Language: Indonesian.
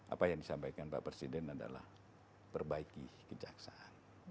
apa yang disampaikan pak presiden adalah perbaiki kejaksaan